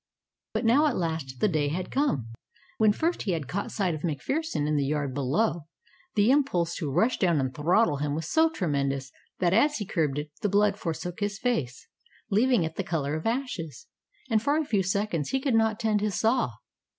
But now at last the day had come. When first he had caught sight of MacPherson in the yard below, the impulse to rush down and throttle him was so tremendous that as he curbed it the blood forsook his face, leaving it the color of ashes, and for a few seconds he could not tend his saw.